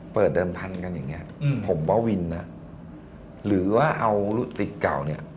เปิดเดิมพันธุ์กันอย่างนี้ผมว่าวินนะหรือว่าเอาลูกศิษย์เก่าเนี่ย